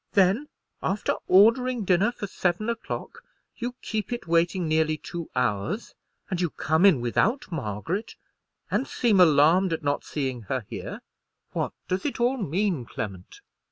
Then, after ordering dinner for seven o'clock, you keep it waiting nearly two hours; and you come in without Margaret, and seem alarmed at not seeing her here. What does it all mean, Clement?"